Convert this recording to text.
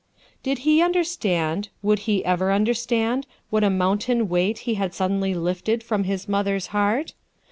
Did he understand, would lie ever understand, what a mountain weight he had suddenly lifted from his mother's heart?